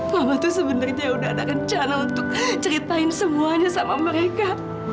mama tuh sebenarnya udah ada rencana untuk ceritain semuanya sama mereka